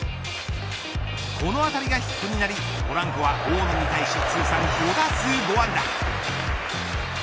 このあたりがヒットになりポランコは大野に対し通算５打数５安打。